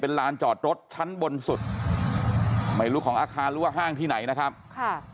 ลานจอดรถชั้นบนสุดไม่รู้ของอาคารหรือว่าห้างที่ไหนนะครับค่ะ